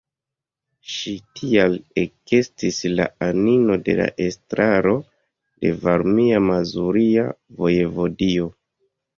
Ŝi tial ekestis la anino de la Estraro de Varmia-Mazuria Vojevodio.